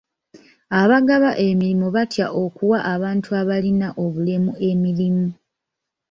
Abagaba emirimu batya okuwa abantu abalina obulemu emirimu.